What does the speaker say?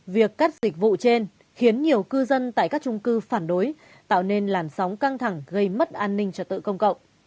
việc cắt dịch vụ trên khiến nhiều cư dân tại các trung cư phản đối tạo nên làn sóng căng thẳng gây mất an ninh trật tự công cộng